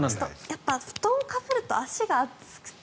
やっぱり布団をかぶると足が暑くて。